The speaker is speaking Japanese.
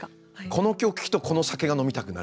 この曲聴くとこの酒が飲みたくなるとか。